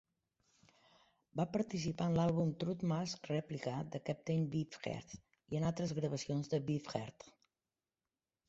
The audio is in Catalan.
Va participar en l'àlbum "Trout Mask Replica" de Captain Beefheart i en altres gravacions de Beefheart.